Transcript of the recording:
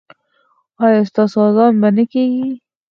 ایا ستاسو اذان به نه کیږي؟